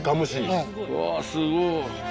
うわすごい。